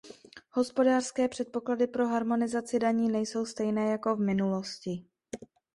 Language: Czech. Hospodářské předpoklady pro harmonizaci daní nejsou stejné jako v minulosti.